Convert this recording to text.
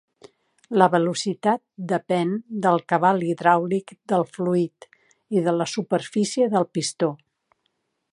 La velocitat depèn del cabal hidràulic del fluid i de la superfície del pistó.